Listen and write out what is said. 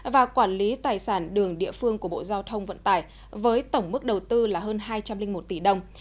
và quản lý tài sản đường địa phương của bộ giao thông vận tải với tổng mức đầu tư là hơn hai trăm linh một tỷ đồng